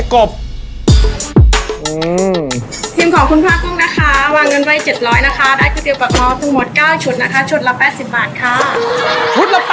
ทีมขอบคุณพ่อกุ้งนะคะวางเงินไว้๗๐๐นะคะ